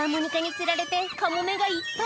釣られてカモメがいっぱい